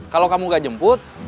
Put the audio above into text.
kalau kamu gak jemput